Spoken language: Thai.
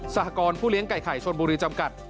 หกรณ์ผู้เลี้ยงไก่ไข่ชนบุรีจำกัด